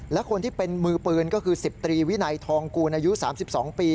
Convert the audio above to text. และคนที่เป็นมือปืนก็คือ๑๐ตรีวินัยทองกูลอายุ๓๒ปี